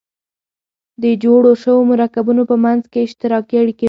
د جوړو شوو مرکبونو په منځ کې اشتراکي اړیکې وي.